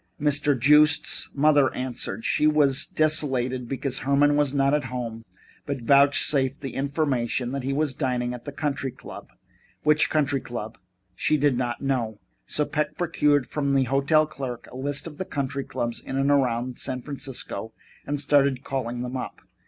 Mr. Joost's mother answered. She was desolated because Herman was not at home, but vouchsafed the information that he was dining at the country club. Which country club? She did not know. So Peck procured from the hotel clerk a list of the country clubs in and around San Francisco and started calling them up.